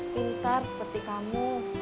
pintar seperti kamu